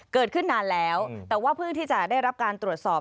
เกิดขึ้นนานแล้วแต่ว่าเพิ่งที่จะได้รับการตรวจสอบ